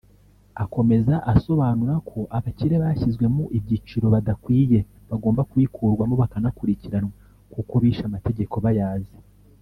Akomeza asobanura ko abakire bashyizwe mu ibyiciro badakwiye bagomba kubikurwamo bakanakurikiranwa kuko bishe amategeko bayazi